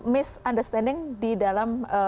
misunderstanding di dalam